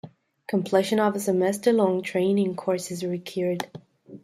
Completion of a semester long training course is required.